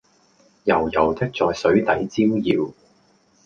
油油的在水底招搖